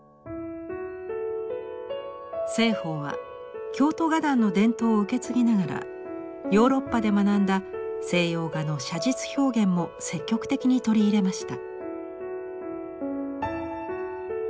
栖鳳は京都画壇の伝統を受け継ぎながらヨーロッパで学んだ西洋画の写実表現も積極的に取り入れました。